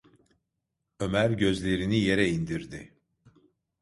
Ömer gözlerini yere indirdi: